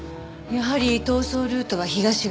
やはり逃走ルートは東側。